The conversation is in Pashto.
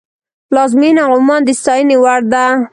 پلازمینه عمان د ستاینې وړ ده.